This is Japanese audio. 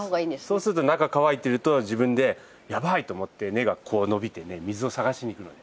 そうすると中乾いてると自分でやばいと思って根がこう伸びてね水を探しにいくのね。